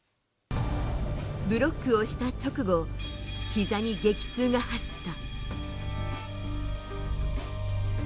ブロックをした直後ひざに激痛が走った。